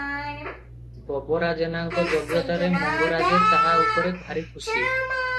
ଗୋବରା ଜେନାଙ୍କ ଯୋଗ୍ୟତାରେ ମଙ୍ଗରାଜେ ତାହା ଉପରେ ଭାରିଖୁସି ।